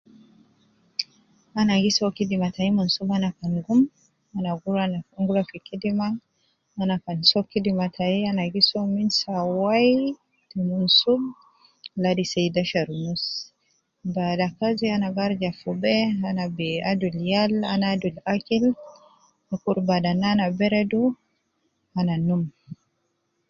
Ana gi so kidima tayi minsub ana kan gum, ana gi ruwu fi kidima ana gi so kidima tayi min saa wai ta minsub ladi saa idashar ta lasiya. Baada kazi ana gi arija fi bee ana gi adulu yal ma akil yala ana num